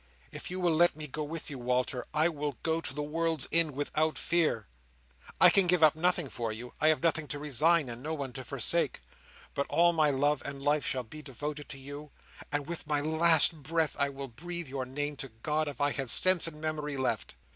If you will let me go with you, Walter, I will go to the world's end without fear. I can give up nothing for you—I have nothing to resign, and no one to forsake; but all my love and life shall be devoted to you, and with my last breath I will breathe your name to God if I have sense and memory left."